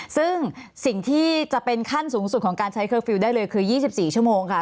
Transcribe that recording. ซึ่งสิ่งที่จะเป็นขั้นสูงสุดของการใช้เคอร์ฟิลล์ได้เลยคือ๒๔ชั่วโมงค่ะ